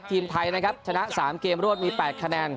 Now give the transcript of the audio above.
ทีมไทยนะครับชนะ๓เกมรวดมี๘คะแนน